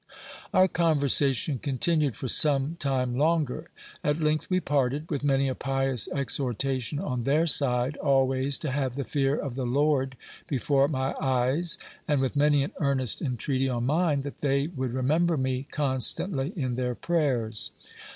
Our conversation continued for some time longer : at length we parted, with many a pious exhortation on their side, always to have the fear of the Lord before my eyes, and with many an earnest intreaty on mine, that they would remember me constantly in their prayers.